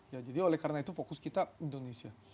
ya jadi oleh karena itu fokus kita indonesia